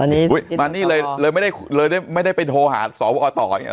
อันนี้มานี่เลยเลยไม่ได้เลยได้ไม่ได้ไปโทรหาสวต่ออย่างนี้ห